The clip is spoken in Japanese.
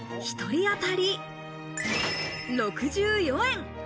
１人当たり、およそ６４円。